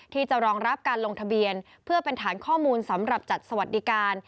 ที่จะรองรับการลงทะเบียนเพื่อเป็นฐานข้อมูลสำหรับจัดสวัสดิการ